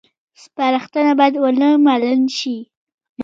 سپارښتنه باید ونه منل شي